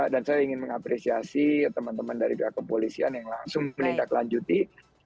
dan saya ingin mengapresiasi teman teman dari kepolisian yang langsung menindaklanjuti